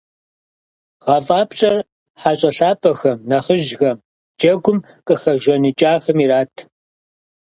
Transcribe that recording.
ГъэфӀапщӀэр - хьэщӀэ лъапӀэхэм, нэхъыжьхэм, джэгум къыхэжаныкӀахэм ират.